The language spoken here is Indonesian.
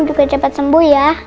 juga cepet sembuh ya